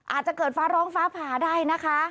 อาจจะเกิดฟ้าร้องฟ้าผ่าได้นะคะ